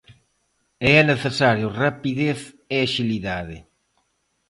E é necesario rapidez e axilidade.